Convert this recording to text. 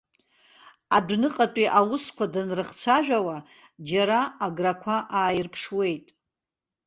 Адәныҟатәи аусқәа данрыхцәажәауа, џьара аграқәа ааирԥшуеит.